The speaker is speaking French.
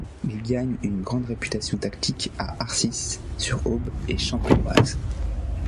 Il gagne une grande réputation tactique à Arcis sur Aube et Champenoise.